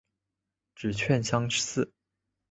指券相似。